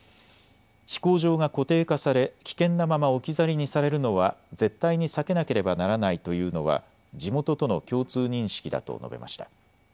飛行場が固定化され危険なまま置き去りにされるのは絶対に避けなければならないというのは地元との共通認識だと述べました。